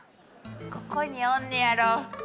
ここにおんねんやろ。